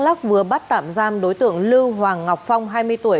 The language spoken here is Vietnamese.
đắk lắc vừa bắt tạm giam đối tượng lưu hoàng ngọc phong hai mươi tuổi